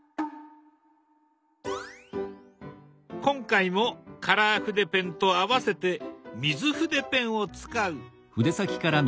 今回もカラー筆ペンと合わせて水筆ペンを使う。